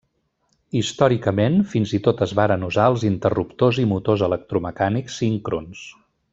Històricament, fins i tot es varen usar els interruptors i motors electromecànics síncrons.